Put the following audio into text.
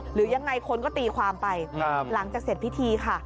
หรือยังไงคนก็ตีความไปหลังจากเสร็จพิธีค่ะ